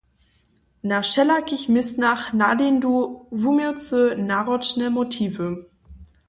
Na wšelakich městnach nadeńdu wuměłcy naročne motiwy.